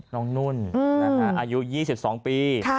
นุ่นอายุ๒๒ปี